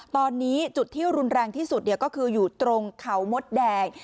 ตอนนี้จุดที่รุนแรงที่สุดก็คืออยู่ตรงเขามดแดง